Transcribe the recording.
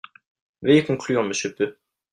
Veuillez conclure, monsieur Peu.